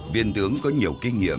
viên tướng có nhiều kinh nghiệm